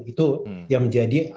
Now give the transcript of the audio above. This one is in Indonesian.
itu yang menjadi apa